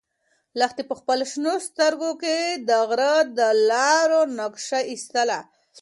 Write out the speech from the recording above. لښتې په خپلو شنه سترګو کې د غره د لارو نقشه ایستله.